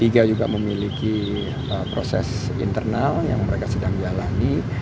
p tiga juga memiliki proses internal yang mereka sedang jalani